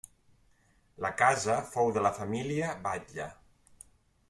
La casa fou de la família Batlle.